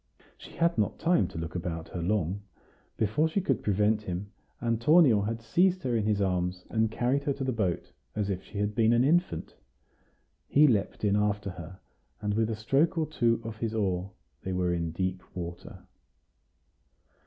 She had not time to look about her long; before she could prevent him, Antonio had seized her in his arms and carried her to the boat, as if she had been an infant. He leaped in after her, and with a stroke or two of his oar they were in deep water.